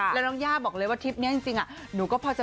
แล้วน้องย่าบอกเลยว่าทริปนี้จริงหนูก็พอจะ